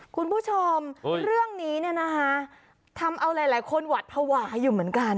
คุณผู้ชมเรื่องนี้เนี่ยนะคะทำเอาหลายคนหวัดภาวะอยู่เหมือนกัน